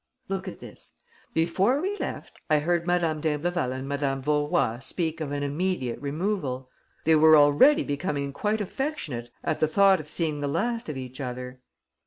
Look at this: before we left, I heard Madame d'Imbleval and Madame Vaurois speak of an immediate removal. They were already becoming quite affectionate at the thought of seeing the last of each other."